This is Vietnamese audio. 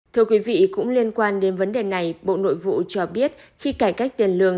thưa quý vị cũng liên quan đến vấn đề này bộ nội vụ cho biết khi cải cách tiền lương